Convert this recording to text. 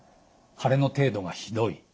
腫れの程度がひどい。